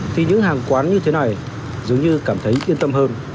thì những hàng quán như thế này dường như cảm thấy yên tâm hơn